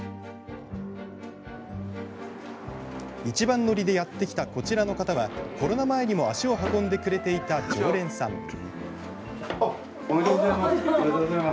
一番乗りでやって来たこちらの方は、コロナ前にも足を運んでくれていた常連さん。